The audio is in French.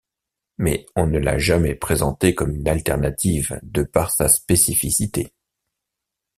Mais on ne l'a jamais présenté comme une alternative de par sa spécificité.